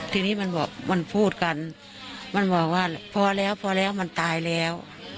ทีนี้มันบอกมันพูดกันมันบอกว่าพอแล้วพอแล้วมันตายแล้ว